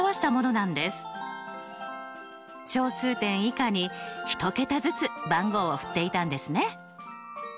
小数点以下に１桁ずつ番号を振っていたんですね。